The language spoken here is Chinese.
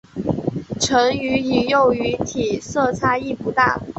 成鱼与幼鱼体色差异不大。